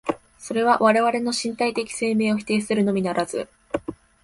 それは我々の身体的生命を否定するのみならず、